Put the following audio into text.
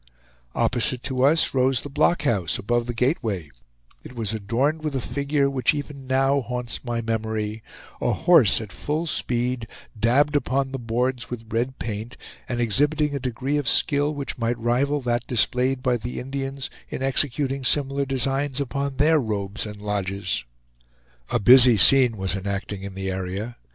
Opposite to us rose the blockhouse above the gateway; it was adorned with a figure which even now haunts my memory; a horse at full speed, daubed upon the boards with red paint, and exhibiting a degree of skill which might rival that displayed by the Indians in executing similar designs upon their robes and lodges. A busy scene was enacting in the area.